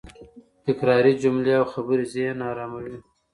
تکراري جملې او خبرې د ذهن اراموي.